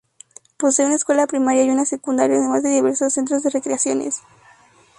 Posee una escuela primaria y una secundaria, además de diversos centros de recreaciones.